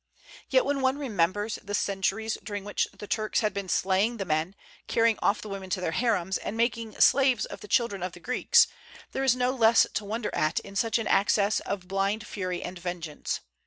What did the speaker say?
Yet when one remembers the centuries during which the Turks had been slaying the men, carrying off the women to their harems, and making slaves of the children of the Greeks, there is less to wonder at in such an access of blind fury and vengeance.